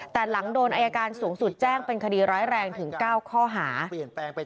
แต่หลังโดนอายการสูงสุดแจ้งเป็นคดีร้ายแรงถึง๙ข้อหา